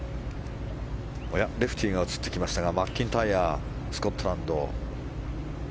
レフティーが映ってきましたがマッキンタイヤスコットランド。